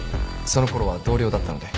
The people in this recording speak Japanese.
そのころは同僚だったので。